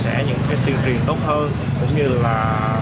sẽ những cái tuyên truyền tốt hơn cũng như là